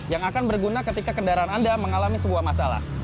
yang akan berguna ketika kendaraan anda mengalami sebuah masalah